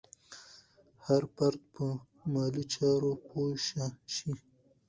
هر فرد باید په مالي چارو پوه شي.